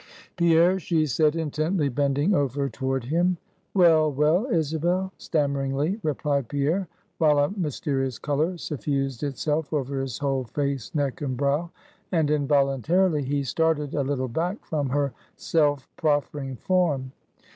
"Pierre!" she said, intently bending over toward him. "Well, well, Isabel," stammeringly replied Pierre; while a mysterious color suffused itself over his whole face, neck, and brow; and involuntarily he started a little back from her self proffering form.